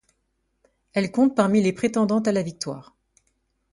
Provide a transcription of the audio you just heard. Elle compte parmi les prétendantes à la victoire.